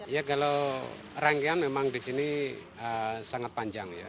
ya kalau rangkaian memang di sini sangat panjang ya